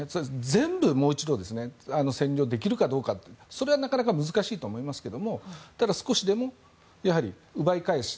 全部もう一度占領できるかどうかそれはなかなか難しいと思いますがただ、少しでもやはり奪い返す。